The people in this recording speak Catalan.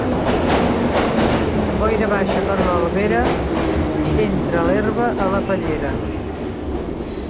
Boira baixa per l'Albera, entra l'herba a la pallera.